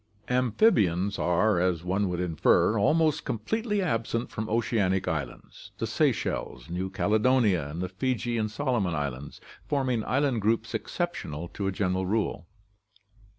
Amphibia are, as one would infer, almost completely absent from oceanic islands, the Seychelles, New Caledonia, and the Fiji and Solomon islands forming island groups exceptional to a general rule.